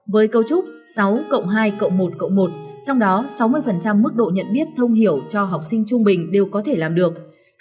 với câu trúc sáu hai một một trong đó sáu mươi mức độ nhận biết thông hiểu cho học sinh trung bình đều có thể làm được